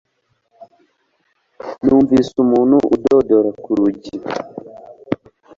numvise umuntu adodora ku rugi